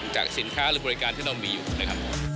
จากสินค้าหรือบริการที่เรามีอยู่นะครับ